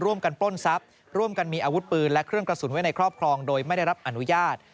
ปล้นทรัพย์ร่วมกันมีอาวุธปืนและเครื่องกระสุนไว้ในครอบครองโดยไม่ได้รับอนุญาต